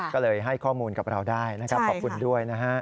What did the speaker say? ก็เลยให้ข้อมูลกับเราได้นะครับขอบคุณด้วยนะฮะ